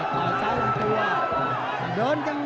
ต่อยซ้ายังตัว